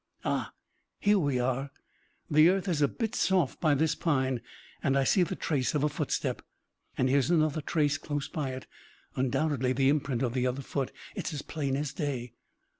"Ah! here we are. The earth is a bit soft by this pine, and I see the trace of a footstep! And here is another trace, close by it, undoubtedly the imprint of the other foot. It's as plain as day."